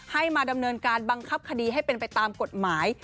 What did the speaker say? ให้มาดำเนินการบังคับคดีให้เป็นไปตามกฎหมาย